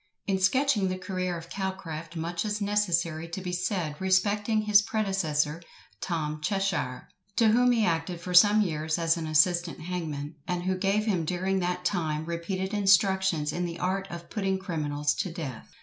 In sketching the career of Calcraft, much is necessary to be said respecting his predecessor, TOM CHESHIRE, to whom he acted for some years as an assistant hangman, and who gave him during that time repeated instructions in the art of putting criminals to death.